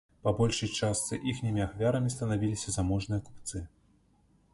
Па большай частцы іхнімі ахвярамі станавіліся заможныя купцы.